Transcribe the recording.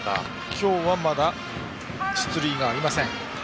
今日はまだ出塁はありません。